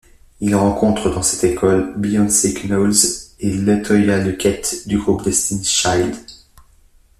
Il rencontre dans cette école Beyoncé Knowles & LeToya Luckett du groupe Destiny's Child.